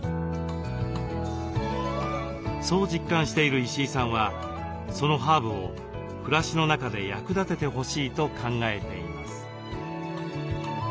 そう実感している石井さんはそのハーブを暮らしの中で役立ててほしいと考えています。